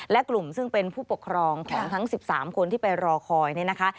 และกลุ่มซึ่งเป็นผู้ปกครองของทั้ง๑๓คนที่ไปรอคอยนี่นะคะ